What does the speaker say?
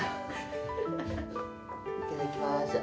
いただきます。